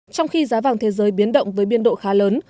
trong khi giá vàng thế giới biến động với biên độ khá lớn